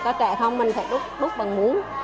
có trẻ không mình phải đút bằng muỗng